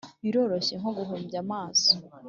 biroroshye, nko guhumbya amaso.